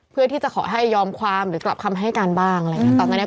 เพื่อที่จะขอให้ยอมความหรือกลับคำให้การบ้างอะไรอย่างนี้